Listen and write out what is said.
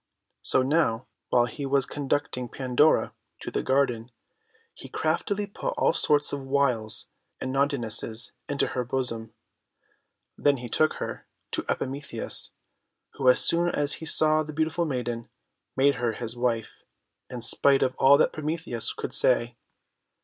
So, now, while he was conducting Pandora THE MAN WHO BROUGHT FIRE 289 to the garden, he craftily put all sorts of wiles and naughtiness into her bosom. Then he took her to Epimetheus, who, as soon as he saw the beautiful maiden, made her his wife, in spite of all that Prometheus could say.